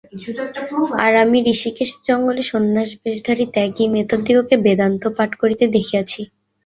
আর আমি হৃষীকেশের জঙ্গলে সন্ন্যাসিবেশধারী ত্যাগী মেথরদিগকে বেদান্ত পাঠ করিতে দেখিয়াছি।